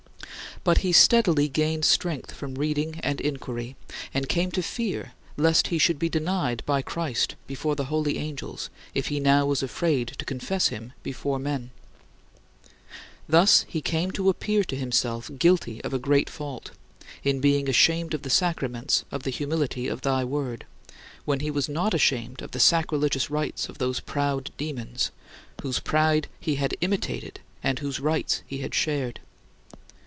But he steadily gained strength from reading and inquiry, and came to fear lest he should be denied by Christ before the holy angels if he now was afraid to confess him before men. Thus he came to appear to himself guilty of a great fault, in being ashamed of the sacraments of the humility of thy Word, when he was not ashamed of the sacrilegious rites of those proud demons, whose pride he had imitated and whose rites he had shared.